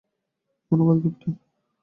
ধন্যবাদ, ক্যাপ্টেন।